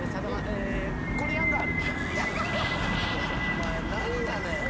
お前何やねん。